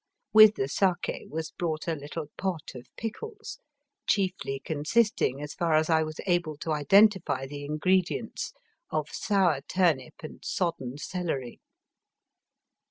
With the sak^ was brought a little pot of pickles, chiefly consisting, as far as I was able to identify the ingredients, of sour turnip and sodden celery.